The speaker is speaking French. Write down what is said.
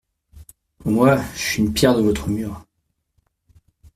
Oh, moi, je suis une pierre de votre mur.